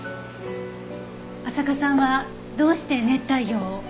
浅香さんはどうして熱帯魚を？